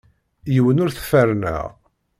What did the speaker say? Yiwen ur t-ferrneɣ.